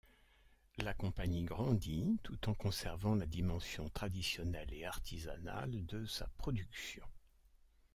La compagnie grandit tout en conservant la dimension traditionnelle et artisanale de sa production.